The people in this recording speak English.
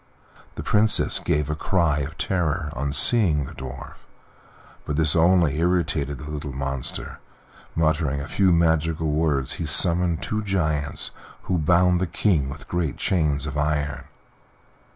The Princess gave a cry of terror on seeing the Dwarf, but this only irritated the little monster; muttering a few magical words he summoned two giants, who bound the King with great chains of iron.